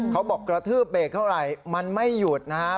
เขาบอกกระทืบเบรกเท่าไรมันไม่หยุดนะครับ